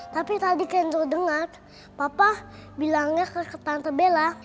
tapi tadi kenzo dengar papa bilangnya ke tante bella